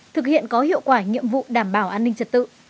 thực hiện có hiệu quả nhiệm vụ đảm bảo an ninh trật tự